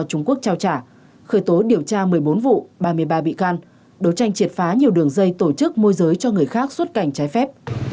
trung quốc trao trả khởi tố điều tra một mươi bốn vụ ba mươi ba bị can đấu tranh triệt phá nhiều đường dây tổ chức môi giới cho người khác xuất cảnh trái phép